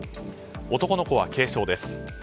男の子は軽傷です。